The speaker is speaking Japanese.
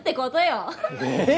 えっ？